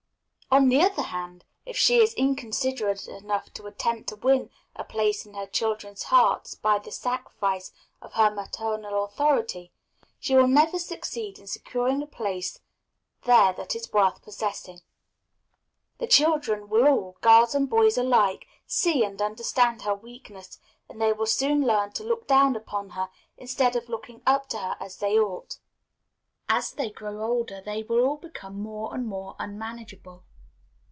_ On the other hand, if she is inconsiderate enough to attempt to win a place in her children's hearts by the sacrifice of her maternal authority, she will never succeed in securing a place there that is worth possessing. The children will all, girls and boys alike, see and understand her weakness, and they will soon learn to look down upon her, instead of looking up to her, as they ought. As they grow older they will all become more and more unmanageable.